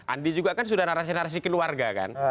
andi juga kan sudah narasi narasi keluarga kan